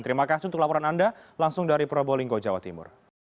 terima kasih untuk laporan anda langsung dari probolinggo jawa timur